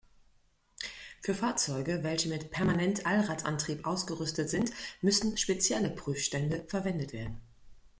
Für Fahrzeuge, welche mit Permanent-Allradantrieb ausgerüstet sind, müssen spezielle Prüfstände verwendet werden.